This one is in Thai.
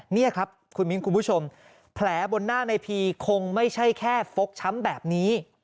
นี่ครับคุณมิ้นคุณผู้ชมแผลบนหน้าในพีคงไม่ใช่แค่ฟกช้ำแบบนี้